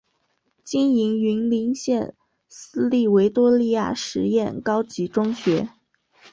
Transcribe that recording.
经营云林县私立维多利亚实验高级中学。